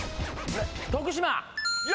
徳島！